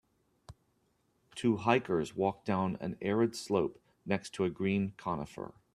Two hikers walk down an arid slope next to a green conifer.